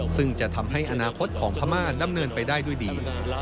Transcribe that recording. ซึ่งจะทำให้อนาคตของพม่าดำเนินไปได้ด้วยดี